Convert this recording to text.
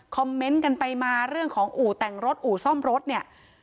เมนต์กันไปมาเรื่องของอู่แต่งรถอู่ซ่อมรถเนี่ย